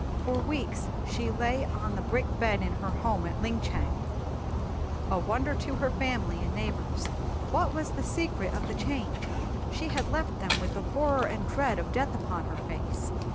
For weeks she lay on the brick bed in her home at Linchang, a wonder to her family and neighbors. What was the secret of the change? She had left them with the horror and dread of death upon her face.